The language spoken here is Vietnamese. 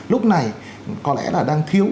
lúc này có lẽ là đang thiếu